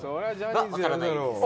分からないです。